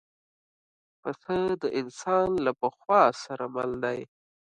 پسه د انسان له پخوا سره مل دی.